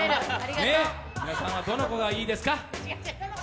皆さんはどの子がいいですか？